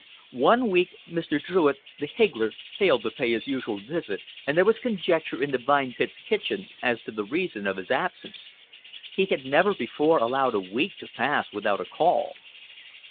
One week Mr. Druitt the higgler failed to pay his usual visit, and there was conjecture in the Vine Pits kitchen as to the reason of his absence. He had never before allowed a week to pass without a call.